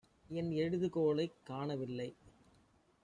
என் எழுதுகோலைக் காணவில்லை.